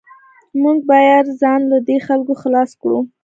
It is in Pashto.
موږ باید ځان له دې خلکو خلاص کړو